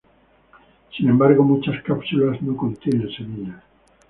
Sin embargo, muchas cápsulas no contienen semilla.